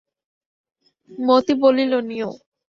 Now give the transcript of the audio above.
মতি বলিল, নিও।